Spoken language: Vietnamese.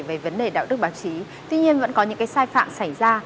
với vấn đề đạo đức báo chí tuy nhiên vẫn có những cái sai phạm xảy ra